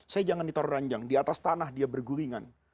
saya jangan ditaruh ranjang di atas tanah dia bergulingan